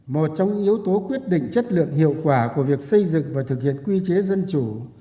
một trong những yếu tố quyết định chất lượng hiệu quả của việc xây dựng và thực hiện quy chế dân chủ